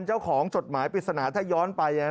จดหมายปริศนาถ้าย้อนไป